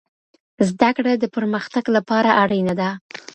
زده کړه د پرمختګ لپاره اړینه ده.